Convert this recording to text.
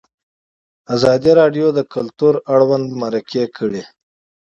ازادي راډیو د کلتور اړوند مرکې کړي.